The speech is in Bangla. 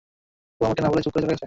ও আমাকে না বলে চুপ করে চলে গেছে।